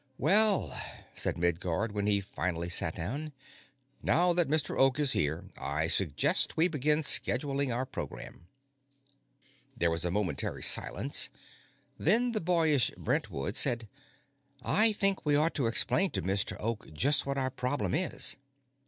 "Well," said Midguard, when he finally sat down, "now that Mr. Oak is here, I suggest we begin scheduling our program." There was a momentary silence, then the boyish Brentwood said, "I think we ought to explain to Mr. Oak just what our problem is."